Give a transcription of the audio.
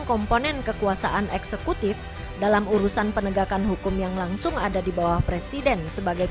komponen kekuasaan eksekutif dalam urusan penegakan hukum yang langsung ada di bawah presiden sebagai